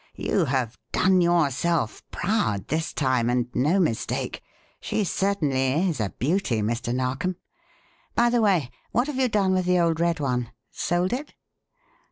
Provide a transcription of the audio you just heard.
You have 'done yourself proud' this time and no mistake she certainly is a beauty, Mr. Narkom. By the way, what have you done with the old red one? Sold it?"